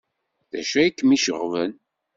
D acu ay kem-iceɣben?